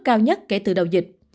cao nhất kể từ đầu dịch